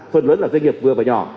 phần lớn là doanh nghiệp vừa và nhỏ